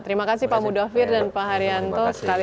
terima kasih pak mudovi dan pak haryanto sekali lagi